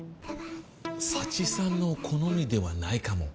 佐知さんの好みではないかも。